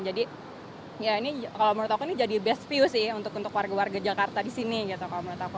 jadi ya ini kalau menurut aku ini jadi best view sih untuk warga warga jakarta di sini gitu kalau menurut aku